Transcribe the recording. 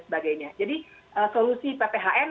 sebagainya jadi solusi pphn